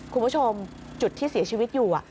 คุณผู้ชมจุดที่เสียชีวิตอยู่